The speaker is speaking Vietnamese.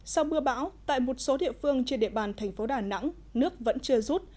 sau mưa bão tại một số địa phương trên địa bàn thành phố đà nẵng nước vẫn chưa rút